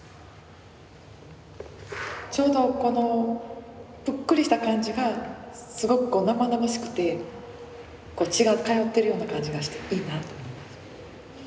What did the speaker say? ちょうどこのぷっくりした感じがすごく生々しくて血が通ってるような感じがしていいなと思います。